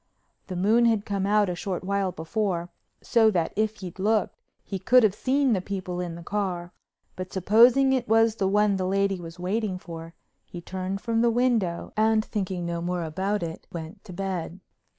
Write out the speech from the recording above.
The moon had come out a short while before, so that if he'd looked he could have seen the people in the car, but supposing it was the one the lady was waiting for, he turned from the window, and, thinking no more about it, went to bed.